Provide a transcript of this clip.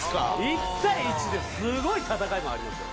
１対１ですごい戦いもありますよ。